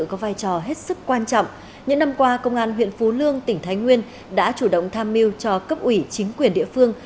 có vai trò hết sức quan trọng những năm qua công an huyện phú lương tỉnh thái nguyên đã chủ động tham mưu cho cấp ủy chính quyền địa phương